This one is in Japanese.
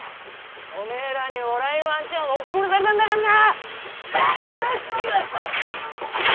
おめえらにおらいのあんちゃんおっ殺されたんだかんな！